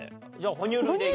ほ乳類で。